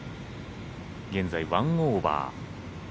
現在１オーバー。